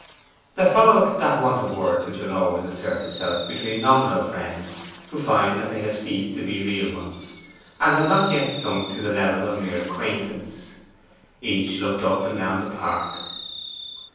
There followed that want of words which will always assert itself between nominal friends who find they have ceased to be real ones, and have not yet sunk to the level of mere acquaintance. Each looked up and down the Park.